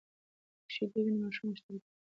که شیدې وي نو ماشوم غښتلۍ کیږي.